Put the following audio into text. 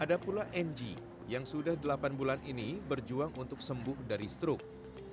ada pula ng yang sudah delapan bulan ini berjuang untuk sembuh dari stroke